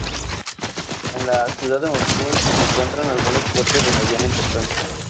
En la ciudad de Moscú se encuentran algunos puertos de mediana importancia.